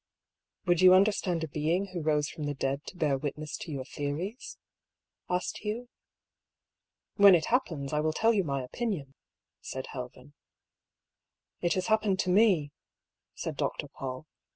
Would you understand a being who rose from the dead to bear witness to your theories ?" asked Hugh. " When it happens, I will tell you my opinion," said Helven. " It has happened to me," said Dr. Paull.